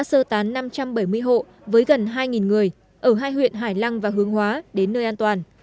sơ tán năm trăm bảy mươi hộ với gần hai người ở hai huyện hải lăng và hướng hóa đến nơi an toàn